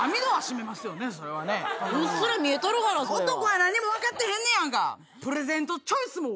男は何にも分かってへんねやんか。